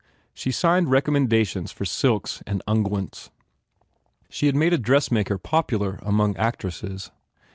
She signed recommenda tions for silks and unguents. She had made a dressmaker popular among actresses.